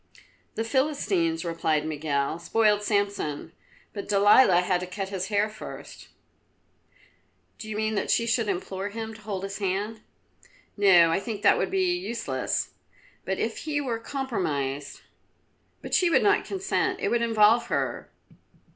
"The Philistines," replied Miguel, "spoiled Samson, but Delilah had to cut his hair first." "Do you mean that she should implore him to hold his hand?" "No, I think that would be useless, but if he were compromised " "But she, she would not consent. It would involve her."